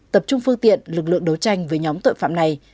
tập trung phương tiện lực lượng đấu tranh với nhóm tội phạm này